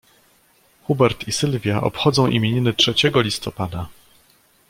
Hubert i Sylwia obchodzą imieniny trzeciego listopada.